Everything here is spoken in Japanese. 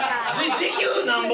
時給なんぼ？